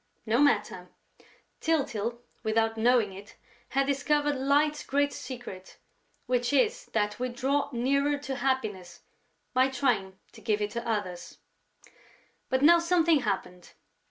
No matter! Tyltyl, without knowing it, had discovered Light's great secret, which is that we draw nearer to happiness by trying to give it to others. But now something happened.